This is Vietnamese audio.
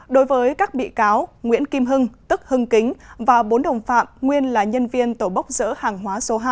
đối với các bị cáo nguyễn kim hưng tức hưng kính và bốn đồng phạm nguyên là nhân viên tổ bốc dỡ hàng hóa số hai